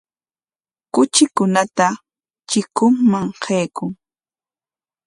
Kuchikunata chikunman qaykun.